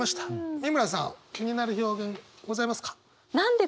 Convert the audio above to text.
美村さん気になる表現ございますか？